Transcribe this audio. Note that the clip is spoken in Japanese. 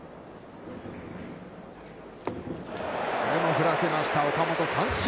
これも振らせました、岡本三振。